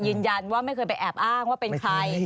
ยืนยันว่าไม่เคยไปแอบอ้างว่าเป็นใคร